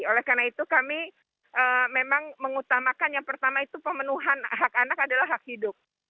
oleh karena itu kami memang mengutamakan yang pertama itu pemenuhan hak anak adalah hak hidup